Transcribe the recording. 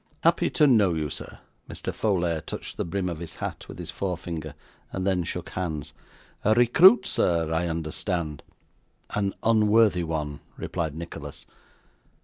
'Happy to know you, sir.' Mr. Folair touched the brim of his hat with his forefinger, and then shook hands. 'A recruit, sir, I understand?' 'An unworthy one,' replied Nicholas.